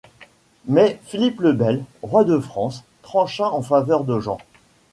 Mais Philippe le Bel, roi de France, trancha en faveur de Jean.